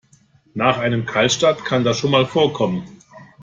Nach einem Kaltstart kann das schon mal vorkommen.